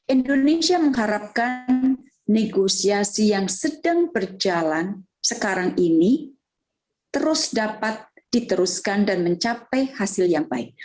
indonesia mengharapkan negosiasi yang sedang berjalan sekarang ini terus dapat diteruskan dan mencapai hasil yang baik